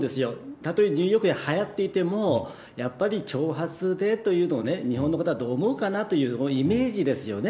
たとえニューヨークではやっていても、やっぱり長髪でというのを日本の方はどう思うのかなというイメージですよね。